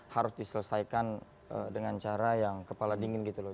harus diselesaikan dengan cara yang kepala dingin gitu loh